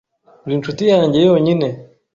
Uri inshuti yanjye yonyine.